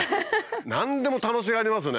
何でも楽しがりますよね